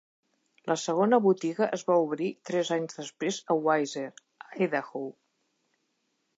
La segona botiga es va obrir tres anys després a Weiser (Idaho).